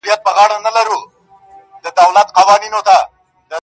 دلته مستي ورانوي دلته خاموشي ورانوي.